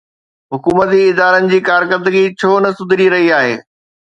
حڪومتي ادارن جي ڪارڪردگي ڇو نه سڌري رهي آهي؟